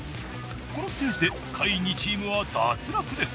このステージで下位２チームは脱落です。